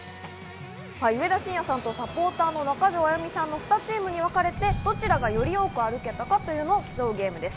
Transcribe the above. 上田晋也さんとサポーターの中条あやみさんの２チームに分かれてどちらがより多く歩けたかを競うゲームです。